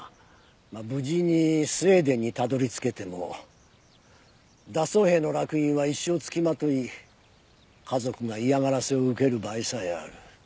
まあ無事にスウェーデンにたどり着けても脱走兵の烙印は一生つきまとい家族が嫌がらせを受ける場合さえある。